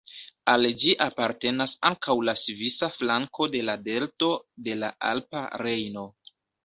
Al ĝi apartenas ankaŭ la svisa flanko de la delto de la Alpa Rejno.